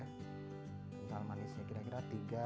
kental manisnya kira kira tiga